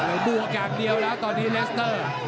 บวกอย่างเดียวแล้วตอนนี้เลสเตอร์